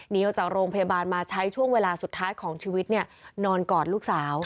ออกจากโรงพยาบาลมาใช้ช่วงเวลาสุดท้ายของชีวิตนอนกอดลูกสาว